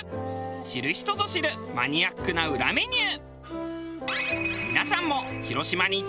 知る人ぞ知るマニアックな裏メニュー。